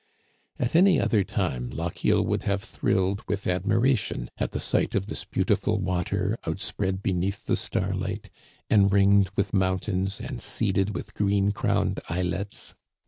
At any other time Lochiel would have thrilled with admi ration at the sight of this beautiful water outspread be neath the starlight, en ringed with mountains and seeded with green crowned islets.